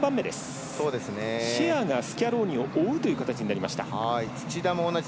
シェアがスキャローニを追うという形になりました。